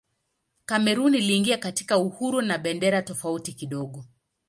Kamerun iliingia katika uhuru na bendera tofauti kidogo.